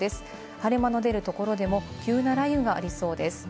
晴れ間の出るところでも、急な雷雨がありそうです。